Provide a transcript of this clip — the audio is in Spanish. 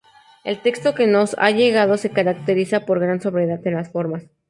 El texto que nos ha llegado se caracteriza por gran sobriedad en las formas.